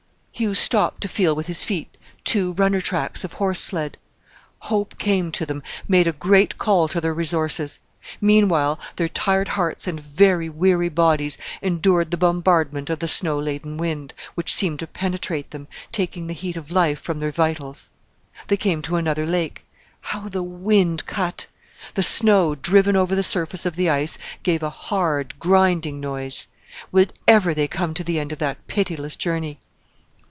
Hugh stopped to feel with his feet two runner tracks of horse sled. Hope came to them, made a great call to their resources. Meanwhile their tired hearts and very weary bodies endured the bombardment of the snow laden wind, which seemed to penetrate them, taking the heat of life from their vitals! They came to another lake. How the wind cut! The snow, driven over the surface of the ice, gave a hard, grinding noise. Would ever they come to the end of that pitiless journey!